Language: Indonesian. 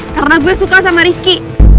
karena gue suka sama rizky